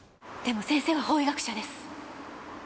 でも先生は法医学者です。